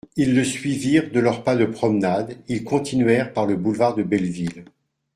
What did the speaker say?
Ils le suivirent de leur pas de promenade, ils continuèrent par le boulevard de Belleville.